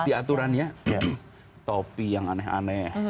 di aturannya topi yang aneh aneh